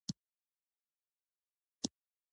ګوبک لي تپې جوړول د زرګونو انسانانو اوږد مهاله همکاري وه.